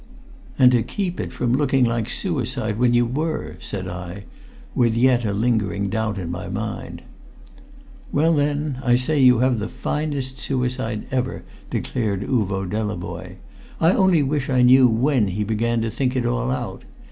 "And to keep it from looking like suicide when you were!" said I, with yet a lingering doubt in my mind. "Well, then I say you have the finest suicide ever!" declared Uvo Delavoye. "I only wish I knew when he began to think it all out.